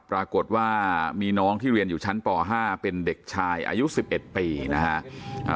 ปรากฏว่ามีน้องที่เรียนอยู่ชั้นป๕เป็นเด็กชายอายุ๑๑ปีนะฮะ